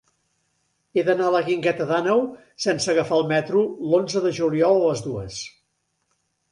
He d'anar a la Guingueta d'Àneu sense agafar el metro l'onze de juliol a les dues.